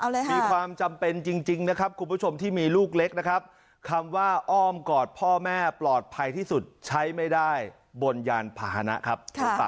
มีความจำเป็นจริงนะครับคุณผู้ชมที่มีลูกเล็กนะครับคำว่าอ้อมกอดพ่อแม่ปลอดภัยที่สุดใช้ไม่ได้บนยานพาหนะครับ